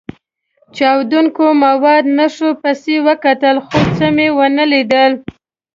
چاودېدونکو موادو نښو پسې وکتل، خو څه مې و نه لیدل.